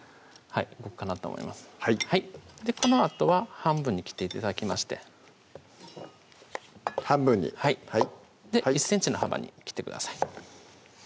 はいこのあとは半分に切っていって頂きまして半分にはい１ｃｍの幅に切ってください